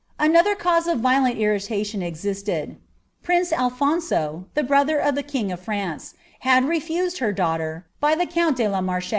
Another cause of violent irritation ex M«l>— Prince Alphonso, the brother of the king of France, had refused Imdaughler, by ihecount delaMaiche.